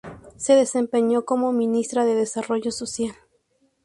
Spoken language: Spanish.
Se desempeñó como Ministra de Desarrollo Social.